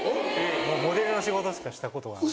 モデルの仕事しかしたことがない。